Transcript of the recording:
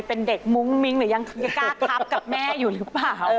เป็นเด็กมุ้งมิ้งหรือยังกล้าครับกับแม่อยู่หรือเปล่า